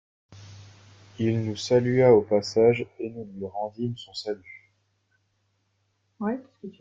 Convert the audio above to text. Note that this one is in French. Il nous salua au passage, et nous lui rendîmes son salut.